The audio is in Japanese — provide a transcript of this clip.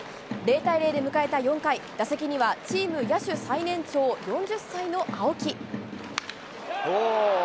０対０で迎えた４回、打席にはチーム野手最年長、４０歳の青木。